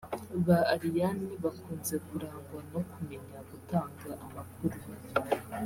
Ba Ariane bakunze kurangwa no kumenya gutanga amakuru